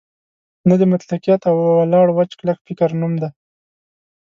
نه د مطلقیت او ولاړ وچ کلک فکر نوم دی.